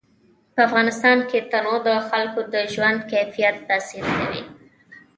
په افغانستان کې تنوع د خلکو د ژوند په کیفیت تاثیر کوي.